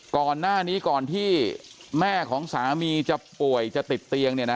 ก่อนหน้านี้ก่อนที่แม่ของสามีจะป่วยจะติดเตียง